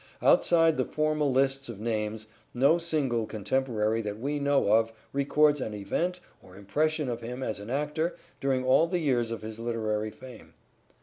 Outside the formal lists of names no single contemporary that we know of records an event or impression of him as an actor during all the years of his literary fame.